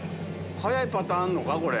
早いパターンあるのか？